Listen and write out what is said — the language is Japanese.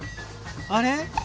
あれ？